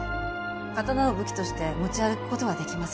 刀を武器として持ち歩く事はできません。